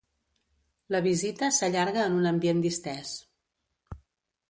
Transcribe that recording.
La visita s'allarga en un ambient distès.